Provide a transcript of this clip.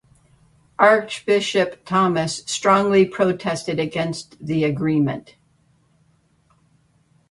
Archbishop Thomas strongly protested against the agreement.